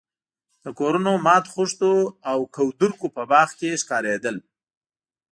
د کورونو ماتو خښتو او کودرکو په باغ کې ښکارېدل.